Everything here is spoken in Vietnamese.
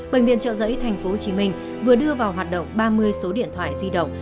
bệnh viện chợ rẫy tp hcm vừa đưa vào hoạt động ba mươi số điện thoại di động